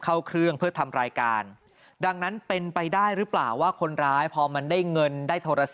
เข้าเครื่องเพื่อทำรายการ